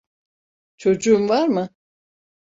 Çocuğun var mı?